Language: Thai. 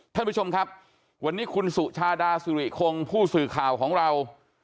ท่านผู้ชมครับวันนี้คุณสุชาดาสุริคงผู้สื่อข่าวของเรา